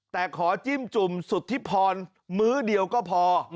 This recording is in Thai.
แต่ขอจิ้มจุ่มสุทธิพรมื้อเดียวก็พอ